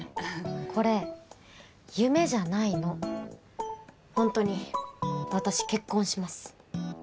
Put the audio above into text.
これ夢じゃないのホントに私結婚します